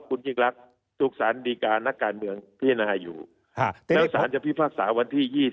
คุณจริงรักยิ่งถูกสารดีการ์นักการเมืองที่น่าอยู่แล้วสารจะพิพากษาวันที่๒๕